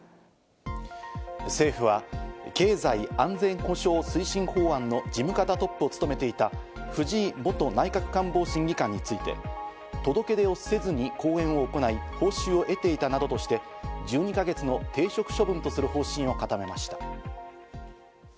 政府は経済安全保障推進法案の事務方トップを務めていた藤井元内閣官房審議官について届け出をせずに講演を行い、報酬を得ていたなどとして、１２か月の停職処分とする方針を固めました。